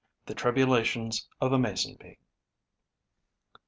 THE TRIBULATIONS OF THE MASON BEE.